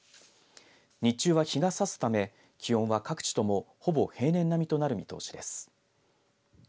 日中は日がさすため気温は各地ともほぼ平年並みとなる見通しです。